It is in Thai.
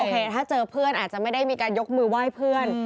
ถ้าเจอเพื่อนอาจจะไม่ได้มีการยกมือไหว้เพื่อน